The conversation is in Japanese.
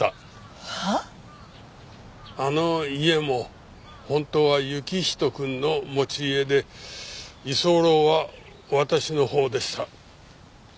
あの家も本当は行人くんの持ち家で居候は私のほうでした。